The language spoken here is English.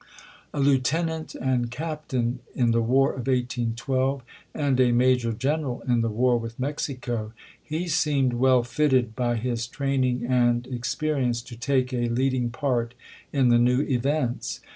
A lieutenant and captain in the war of 1812, and a major gen eral in the war with Mexico, he seemed well fitted by his training and experience to take a leading part in the new events.